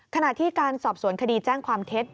ขณะที่การสอบสวนคดีแจ้งความเท็จ